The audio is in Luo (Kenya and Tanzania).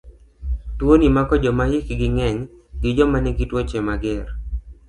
Tuoni mako joma hikgi ng'eny gi joma nigi tuoche mager.